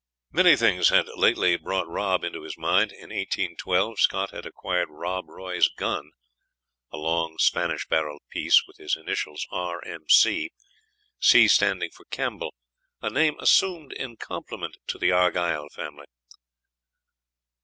Many things had lately brought Rob into his mind. In 1812 Scott had acquired Rob Roy's gun "a long Spanish barrelled piece, with his initials R. M. C.," C standing for Campbell, a name assumed in compliment to the Argyll family.